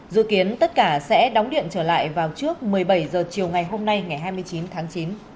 dự kiến tất cả sẽ đóng điện trở lại vào trước một mươi bảy h chiều ngày hôm nay ngày hai mươi chín tháng chín